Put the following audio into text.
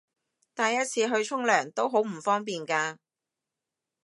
帶一次去沖涼都好唔方便㗎